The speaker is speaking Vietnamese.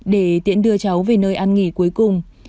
để tiện đưa cháu về nơi ăn nghỉ cuối cùng